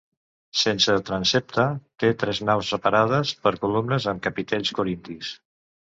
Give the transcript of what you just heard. Sense transsepte, té tres naus separades per columnes, amb capitells corintis.